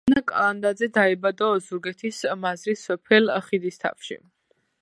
ანა კალანდაძე დაიბადა ოზურგეთის მაზრის სოფელ ხიდისთავში.